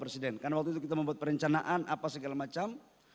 siapa yang membuat perancaran dan apa segala macam